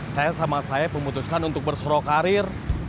saya sama saeb memutuskan untuk berserok karir